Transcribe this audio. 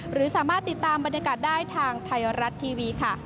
หรือสามารถติดตามบรรยากาศได้ทางไทยรัฐทีวีค่ะ